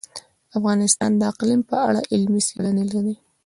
افغانستان د اقلیم په اړه علمي څېړنې لري.